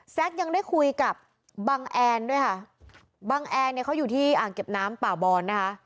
ยังได้คุยกับบังแอนด้วยค่ะบังแอนเนี่ยเขาอยู่ที่อ่างเก็บน้ำป่าบอนนะคะ